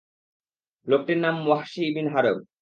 লোকটির নাম Wahshi bin হারব।